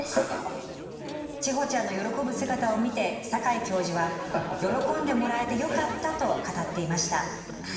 千穂ちゃんの喜ぶ姿を見て酒井教授は「喜んでもらえてよかった」と語っていました。